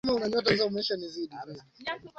juu ya namna uchaguzi wa nchi hiyo